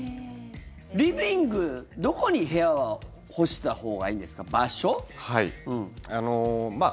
リビングどこに部屋は干したほうがいいんですか？